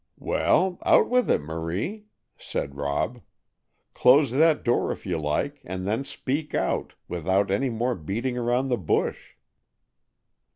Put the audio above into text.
"Well, out with it, Marie," said Rob. "Close that door, if you like, and then speak out, without any more beating around the bush."